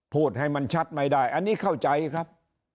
พูดให้มันชัดไม่ได้อันนี้เข้าใจครับ